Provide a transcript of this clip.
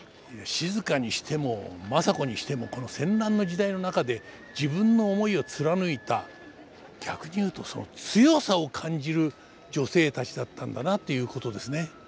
静にしても政子にしてもこの戦乱の時代の中で自分の思いを貫いた逆に言うとその強さを感じる女性たちだったんだなっていうことですね。